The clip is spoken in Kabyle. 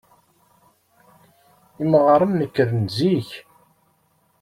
Imɣaren nekkren zik.